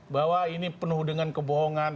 bahwa ini penuh dengan kebohongan